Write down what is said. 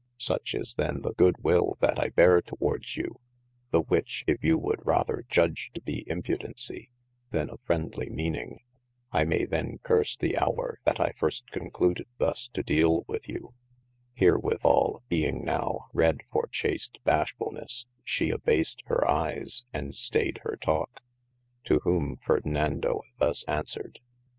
Suche is then the good will that I beare towardes you, the which if you rather judge to be impudencie, then a friendely meaning, I may then curse the hower that I first concluded thus to deale with you : herewithall beeing nowe redde for chaste bashefulnesse, shee abased hir eies, and staied hir taulke : to whome Fardinando thus aunswered.